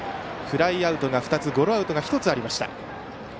フライアウト２つゴロアウトが１つありました。